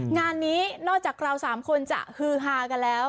งานนี้นอกจากเราสามคนจะฮือฮากันแล้ว